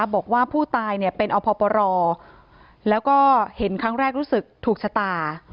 บอกว่าผู้ตายเนี่ยเป็นอพปรแล้วก็เห็นครั้งแรกรู้สึกถูกชะตา